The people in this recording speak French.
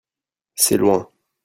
c'est loin.